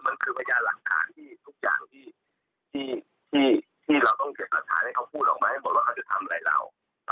ยืนยันว่าไม่ได้หนีแล้วก็พร้อมให้ข้อมูลกับตำรวจ